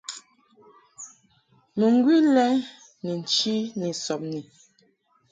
Mɨŋgwi lɛ ni nchi ni sɔbni.